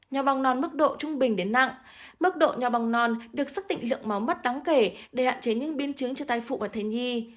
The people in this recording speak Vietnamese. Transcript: nho bong non mức độ trung bình đến nặng mức độ nho bong non được xác định lượng máu mắt đáng kể để hạn chế những biến chứng cho thai phụ và thai nhi